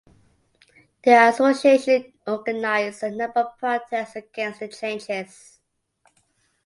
The association organised a number of protests against the changes.